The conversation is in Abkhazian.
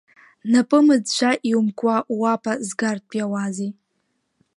Напы мыӡәӡәа иумкуа ууапа згартә иауазеи.